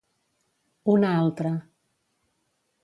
Un a altre.